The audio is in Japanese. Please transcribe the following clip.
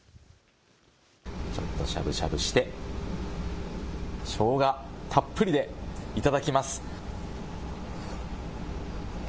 ちょっとしゃぶしゃぶしてしょうがたっぷりでいただきます。